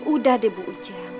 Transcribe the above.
udah deh bu ujang